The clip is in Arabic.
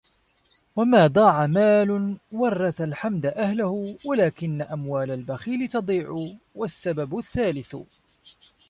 وَمَا ضَاعَ مَالٌ وَرَّثَ الْحَمْدَ أَهْلَهُ وَلَكِنَّ أَمْوَالَ الْبَخِيلِ تَضِيعُ وَالسَّبَبُ الثَّالِثُ